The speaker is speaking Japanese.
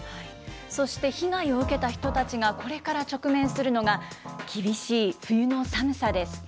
そして、被害を受けた人たちがこれから直面するのが、厳しい冬の寒さです。